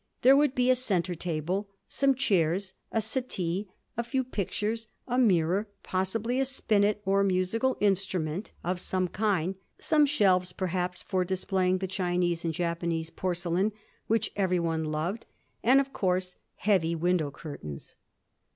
There would be a centre table, some chairs, a settee, a few pictures, a mirror, possibly a spinet or musical instrument of some kind, some shelves per haps for displaying the Chinese and Japanese porce lain which everyone loved, and, of course, heavy window curtains.